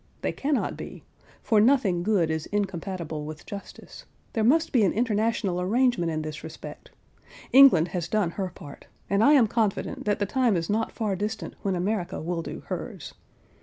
They cannot be, for nothing good is incompatible with justice; there must be an international arrangement in this respect: England has done her part, and I am confident that the time is not far distant when America will do hers.